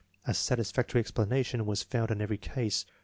A satisfactory explanation was found in every case.